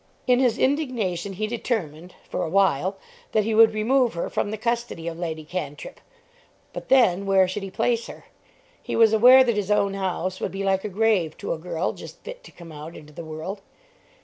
In his indignation he determined for awhile that he would remove her from the custody of Lady Cantrip. But then, where should he place her? He was aware that his own house would be like a grave to a girl just fit to come out into the world.